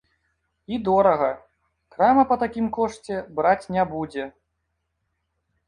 І дорага, крама па такім кошце браць не будзе.